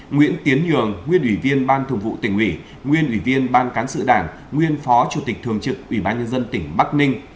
nguyễn tiến hường nguyên ủy viên ban thường vụ tỉnh ủy nguyên ủy viên ban cán sự đảng nguyên phó chủ tịch thường trực ủy ban nhân dân tỉnh bắc ninh